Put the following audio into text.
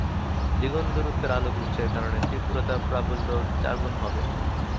দ্বিগুণ দূরত্বের আলোক উৎসের কারণে তীব্রতা/প্রাবল্য চারগুণ হবে।